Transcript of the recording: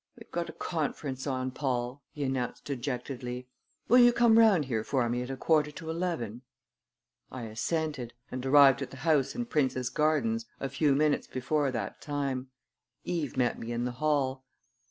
"We've got a conference on, Paul," he announced dejectedly. "Will you come round here for me at a quarter to eleven?" I assented, and arrived at the house in Prince's Gardens a few minutes before that time. Eve met me in the hall.